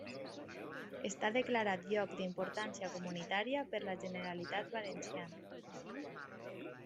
Està declarat lloc d'importància comunitària per la Generalitat Valenciana.